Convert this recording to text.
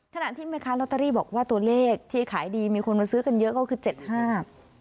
ขณะที่แม่ค้าลอตเตอรี่บอกว่าตัวเลขที่ขายดีมีคนมาซื้อกันเยอะก็คือเจ็ดห้า